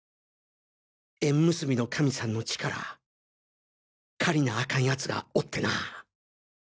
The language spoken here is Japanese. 縁結びの神さんの力借りなアカン奴がおってなァ。